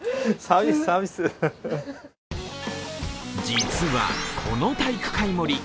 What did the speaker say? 実はこの体育会盛り